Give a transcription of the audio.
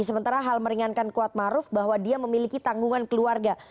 sementara hal meringankan kuatmaruf bahwa dia memiliki tanggungan keluarga